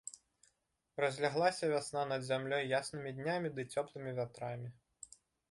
Разляглася вясна над зямлёй яснымі днямі ды цёплымі вятрамі.